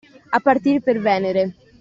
A partire per Venere.